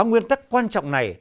nguyên tắc quan trọng này